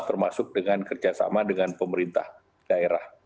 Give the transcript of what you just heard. termasuk dengan kerjasama dengan pemerintah daerah